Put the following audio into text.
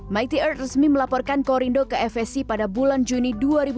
mighty earth resmi melaporkan korindo ke fsc pada bulan juni dua ribu tujuh belas